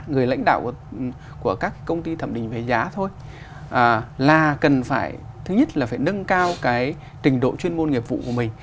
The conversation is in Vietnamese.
người lãnh đạo của các công ty thẩm định về giá thôi là cần phải thứ nhất là phải nâng cao cái trình độ chuyên môn nghiệp vụ của mình